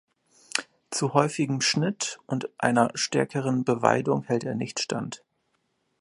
Zu häufigem Schnitt und einer stärkeren Beweidung hält er nicht stand.